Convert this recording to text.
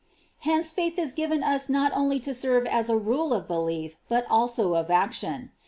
Hence faith is given us not only to serve as a rule of belief, but also of action.